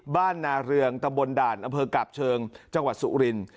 บ้านนาเรืองตะบนด่านอำเภอกาบเชิงจังหวัดสุรินทร์